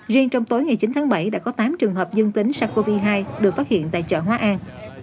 riêng trong tối ngày chín tháng bảy đã có tám trường hợp dương tính sars cov hai được phát hiện tại chợ hóa an